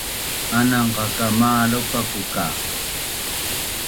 Anangqa ka malopaku ka